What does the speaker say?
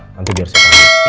nanti biar siapa